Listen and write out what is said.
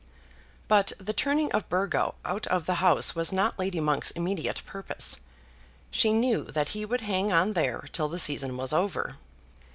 But the turning of Burgo out of the house was not Lady Monk's immediate purpose. She knew that he would hang on there till the season was over.